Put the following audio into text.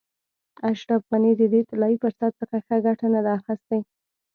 اشرف غني د دې طلایي فرصت څخه ښه ګټه نه ده اخیستې.